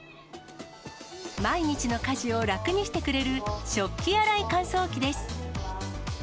毎日の家事を楽にしてくれる、食器洗い乾燥機です。